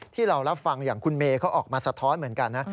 ที่เรารับฟังอย่างคุณเมย์เขาออกมาสะท้อนเหมือนกันนะ